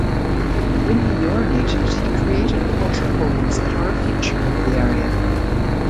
When he urinated he created the waterholes that are a feature of the area.